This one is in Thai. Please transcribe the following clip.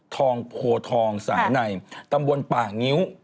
ทองโพทองสายในตำบลป่างิ้ว